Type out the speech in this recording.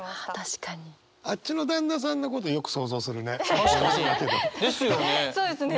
あっちの旦那さんのことよく想像するね。ですよね！